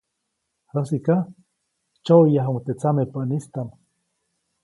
Jäsiʼka, tsyoʼyäyajuʼuŋ teʼ tsamepäʼistam.